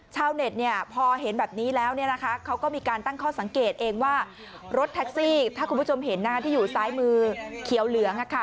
ชาวเน็ตพอเห็นแบบนี้แล้วเขาก็มีการตั้งข้อสังเกตเองว่ารถแท็กซี่ถ้าคุณผู้ชมเห็นที่อยู่ซ้ายมือเขียวเหลือง